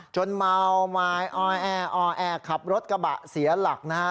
เมาไม้ออยแออแอร์ขับรถกระบะเสียหลักนะฮะ